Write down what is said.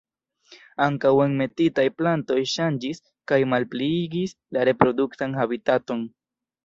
Ankaŭ enmetitaj plantoj ŝanĝis kaj malpliigis la reproduktan habitaton.